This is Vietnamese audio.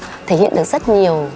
thì lại thể hiện được rất nhiều